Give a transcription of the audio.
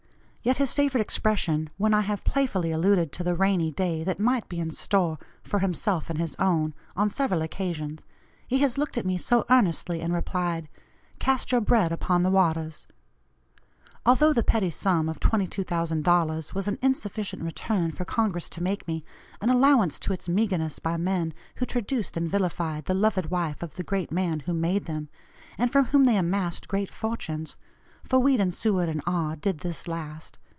Yet his favorite expression, when I have playfully alluded to the 'rainy day' that might be in store for himself and his own on several occasions, he has looked at me so earnestly and replied, 'Cast your bread upon the waters.' Although the petty sum of $22,000 was an insufficient return for Congress to make me, and allowanced to its meagreness by men who traduced and vilified the loved wife of the great man who made them, and from whom they amassed great fortunes for Weed, and Seward, and R. did this last.